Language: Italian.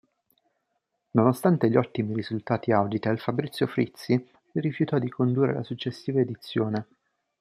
Nonostante gli ottimi risultati Auditel, Fabrizio Frizzi rifiutò di condurre la successiva edizione.